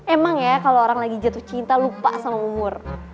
emang ya kalau orang lagi jatuh cinta lupa sama umur